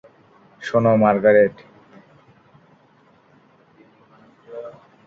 শোনো, মার্গারেট।